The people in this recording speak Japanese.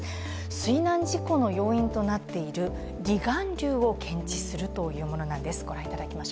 水難事故の要因となっている離岸流を検知するというものなんです。